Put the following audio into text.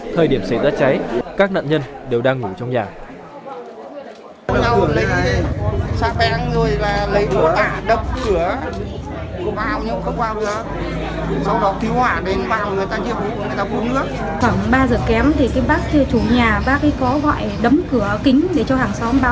thời điểm xảy ra cháy các nạn nhân đều đang ngủ trong nhà